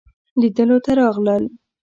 لیدلو ته راغلل.